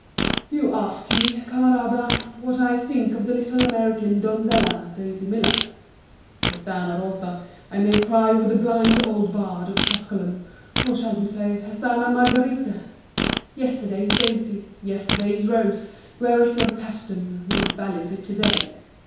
YOU ask me, Camarada, what I think of the little American donzella, Daisy Miller? Hesterna Rosa, I may cry with the blind old bard of Tusculum; or shall we say, Hesterna Margaritæ? Yesterday's Daisy, yesterday's Rose, were it of Pæstum, who values it to day?